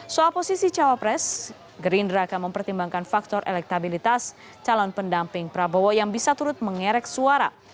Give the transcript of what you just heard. soal posisi cawapres gerindra akan mempertimbangkan faktor elektabilitas calon pendamping prabowo yang bisa turut mengerek suara